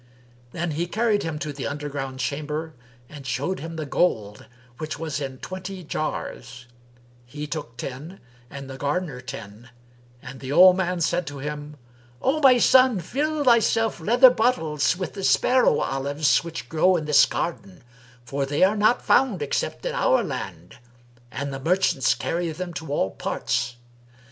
Then he carried him to the underground chamber and showed him the gold, which was in twenty jars: he took ten and the gardener ten, and the old man said to him, "O my son, fill thyself leather bottles[FN#331] with the sparrow olives[FN#332] which grow in this garden, for they are not found except in our land; and the merchants carry them to all parts.